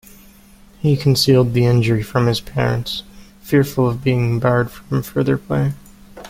He concealed the injury from his parents, fearful of being barred from further play.